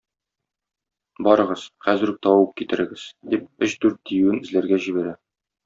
Барыгыз, - хәзер үк табып китерегез! - дип, өч-дүрт диюен эзләргә җибәрә.